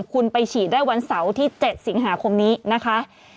คุณไปฉีดได้วันเสาร์ที่๗สิงหาคมนี้นะคะ